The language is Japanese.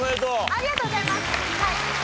ありがとうございます。